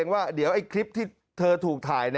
ว่าเดี๋ยวคลิปที่เธอถูกถ่าย